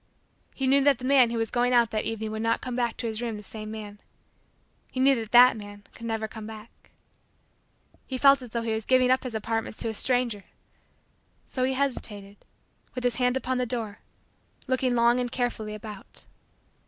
He knew that the man who was going out that evening would not come hack to his room the same man. He knew that that man could never come back. He felt as though he was giving up his apartments to a stranger. So he hesitated, with his hand upon the door, looking long and carefully about.